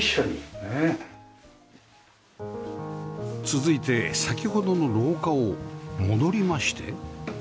続いて先ほどの廊下を戻りまして